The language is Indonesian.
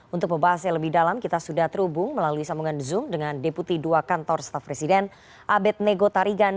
untuk membahasnya lebih dalam kita sudah terhubung melalui sambungan zoom dengan deputi dua kantor staff presiden abed nego tarigan